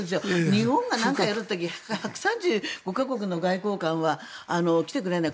日本が何かやるという時１３５か国の外交官は来てくれない。